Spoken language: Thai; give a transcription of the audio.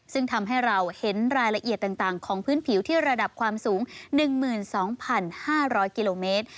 ซึ่งทำให้เราเห็นรายละเอียดต่างของพื้นผิวที่ระดับความสูง๑๒๕๐๐กิโลเมตร